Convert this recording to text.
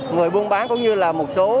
người buôn bán cũng như là một số